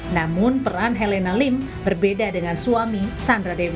namun peran helena lim berbeda dengan suami sandra dewi